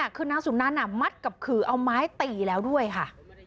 ว่าเครื่องนาศุนันต์มัดกับขือเอาไม้ตีแล้วด้วยค่ะ